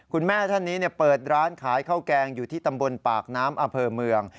คุณแม่ท่านนี้เปิดร้านขายข้าวแกงอยู่ที่ตำบลปากน้ำอำเภอเมือง